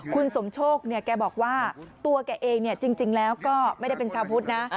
คุณสมโชคเนี่ยแกบอกว่าตัวแกเองจริงแล้วก็ไม่ได้เป็นชาวพุทธนะ